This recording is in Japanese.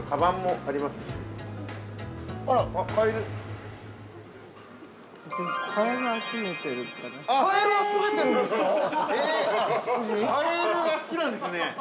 ◆あっ、カエルが好きなんですね。